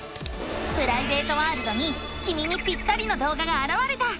プライベートワールドにきみにぴったりの動画があらわれた！